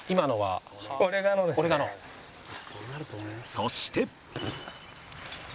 そして